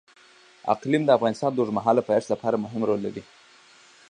اقلیم د افغانستان د اوږدمهاله پایښت لپاره مهم رول لري.